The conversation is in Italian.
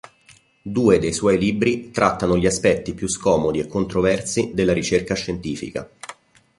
Due dei suoi libri trattano gli aspetti più scomodi e controversi della ricerca scientifica.